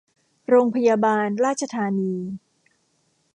โรงพยาบาลราชธานี